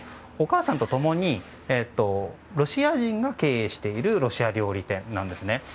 お母さんと共にロシア人が経営しているロシア料理店何ですね。